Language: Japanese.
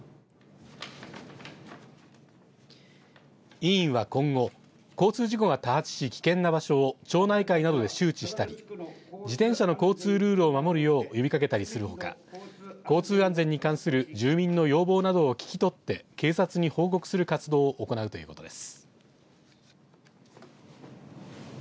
委員は今後交通事故が多発し危険な場所を町内会などで周知したり自転車の交通ルールを守るよう呼びかけたりするほか交通安全に関する住民の要望などを聞き取って警察に報告する活動を行うということです。